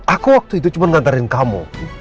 aku waktu itu cuma ngantarin kamu